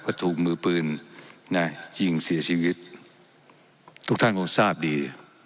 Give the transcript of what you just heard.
ก็ถูกมือปืนนะยิงเสียชีวิตทุกท่านคงทราบดี